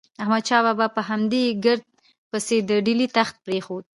احمد شاه بابا په همدې ګرد پسې د ډیلي تخت پرېښود.